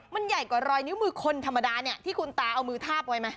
มันใหญ่กว่ารอยนิ้วมือคนธรรมดาเนี่ยที่คุณตาเอามือทาบไว้ไหม